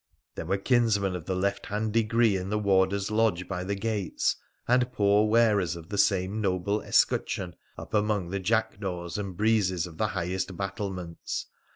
There were kinsmen of the left hand degree in the warder's lodge by the gates, and poor wearers of the same noble escutcheon up among the jackdaws and breezes of the highest battlements.